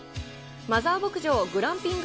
マザー牧場グランピング